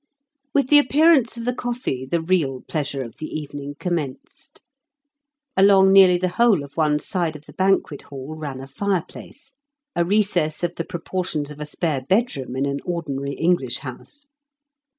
With the appearance of the coffee the real pleasure of the evening commenced. Along nearly the whole of one side of the banquet hall ran a fireplace, a recess of the proportions of a spare bedroom in an ordinary English house.